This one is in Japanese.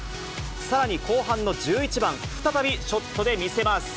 さらに後半の１１番、再びショットで見せます。